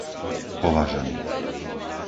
Považany